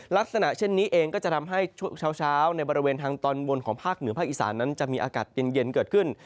ลักษณะเช่นนี้เองก็จะทำให้ช่วงเช้าในบริเวณทางตอนบนของภาคเหนือภาคอีสานนั้นจะมีอากาศเย็นเกิดขึ้น